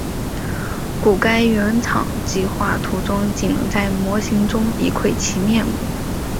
故该原厂计画涂装仅能在模型中一窥其面目。